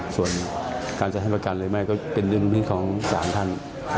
ส่วนการสะเทือนประกันเลยไม่ก็เป็นเรื่องนี้ของ๓ท่าน